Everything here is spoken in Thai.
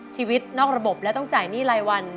ชีวิตนอกระบบและต้องจ่ายหนี้รายวัน